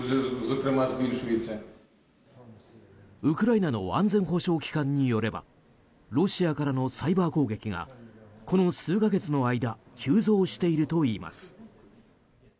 ウクライナの安全保障機関によればロシアからのサイバー攻撃がこの数か月の間急増しているといいます。